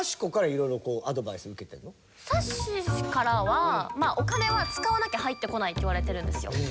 さっしーからは「お金は使わなきゃ入ってこない」って言われてるんですよ。